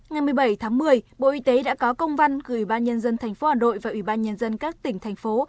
ngày một mươi bảy tháng một mươi bộ y tế đã có công văn gửi ban nhân dân tp hà nội và ủy ban nhân dân các tỉnh thành phố